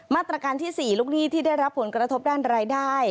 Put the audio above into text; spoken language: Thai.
มาตรการที่๔ลูกหนี้ที่ได้รับผลกระทบด้านรายได้